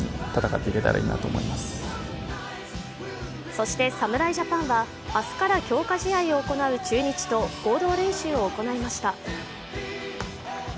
そして、侍ジャパンは明日から強化試合を行う中日と合同練習を行いました。